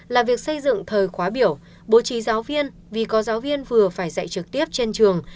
là việc xây dựng thời khóa biểu bố trí giáo viên vì có giáo viên vừa phải dạy trực tiếp trên trường